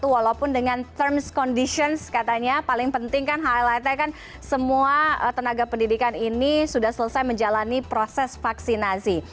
walaupun dengan terms conditions katanya paling penting kan highlight nya kan semua tenaga pendidikan ini sudah selesai menjalani proses vaksinasi